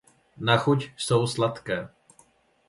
Na chuť jsou sladké.